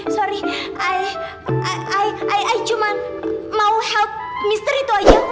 saya cuma mau bantu mr itu saja